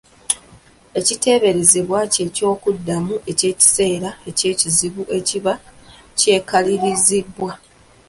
Ekiteeberezebwa, kye ky’okuddamu eky’ekiseera eky’ekizibu ekiba kyekalirizibwa.